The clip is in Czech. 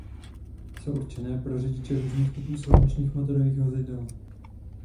Jsou určené pro řidiče různých typů silničních motorových vozidel.